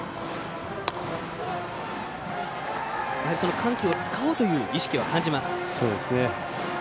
緩急を使おうという意識は感じます。